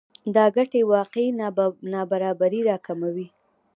دا ګټې واقعي نابرابری راکموي